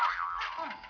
aku masuk nih